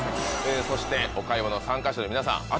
そしてお買い物参加者の皆さん